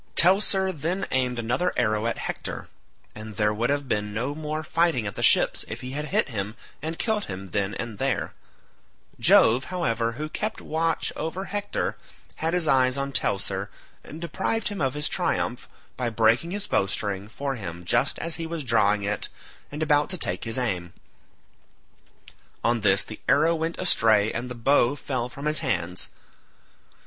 Teucer then aimed another arrow at Hector, and there would have been no more fighting at the ships if he had hit him and killed him then and there: Jove, however, who kept watch over Hector, had his eyes on Teucer, and deprived him of his triumph, by breaking his bowstring for him just as he was drawing it and about to take his aim; on this the arrow went astray and the bow fell from his hands.